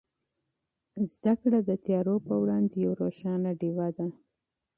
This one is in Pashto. علم د تیارو په وړاندې یوه روښانه ډېوه ده.